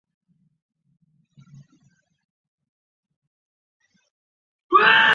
宽额短额鲆为辐鳍鱼纲鲽形目鲽亚目鲆科短额鲆属的鱼类。